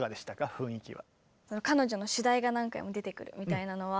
雰囲気は。